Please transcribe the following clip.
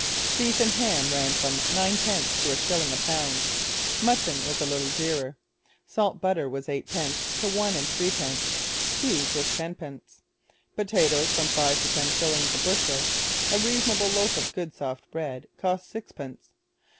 Beef and ham ran from ninepence to a shilling a pound. Mutton was a little dearer. Salt butter was eightpence to one and threepence. Cheese was tenpence; potatoes from five to ten shillings a bushel. 'A reasonable loaf of good soft Bread' cost sixpence.